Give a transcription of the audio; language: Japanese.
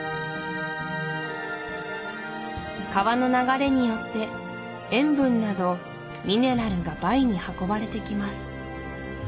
川の流れによって塩分などミネラルがバイに運ばれてきます